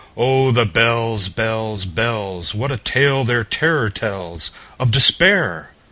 Oh, the bells, bells, bells! What a tale their terror tellsOf Despair!